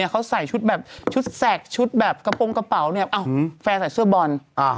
เขาใส่ชุดแบบชุดแสกชุดแบบกระโปรงกระเป๋าเนี่ยแฟนใส่เสื้อบอล